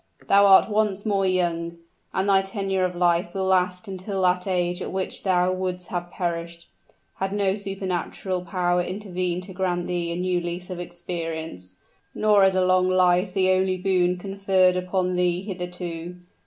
Thou art once more young and thy tenure of life will last until that age at which thou would'st have perished, had no superhuman power intervened to grant thee a new lease of existence! Nor is a long life the only boon conferred upon thee hitherto.